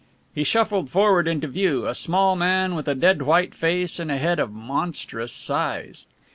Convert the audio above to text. He shuffled forward into view, a small man with a dead white face and a head of monstrous size.